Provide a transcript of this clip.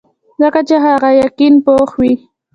ځکه چې د هغه يقين پوخ وي -